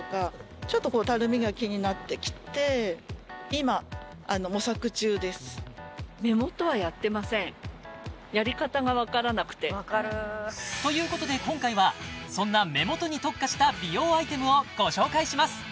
街の人にも悩みを聞いてみるとということで今回はそんな目元に特化した美容アイテムをご紹介します